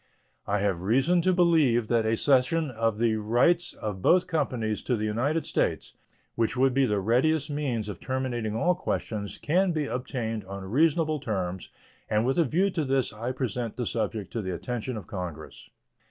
I have reason to believe that a cession of the rights of both companies to the United States, which would be the readiest means of terminating all questions, can be obtained on reasonable terms, and with a view to this end I present the subject to the attention of Congress.